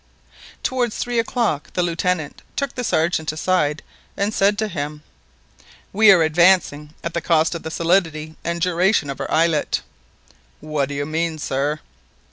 Towards three o'clock, the Lieutenant took the Sergeant aside, and said to him— "We are advancing at the cost of the solidity and duration of our islet." "What do you mean, sir?"